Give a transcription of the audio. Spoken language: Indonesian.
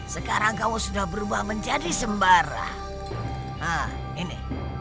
sekarang kau sudah berubah menjadi sembarang ini